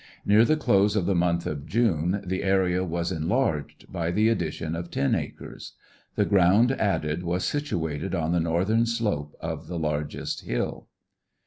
Near the close of the month of June the area was enlarged by the addition of ten acres. The ground added was situated on the northern slope of the largest hill.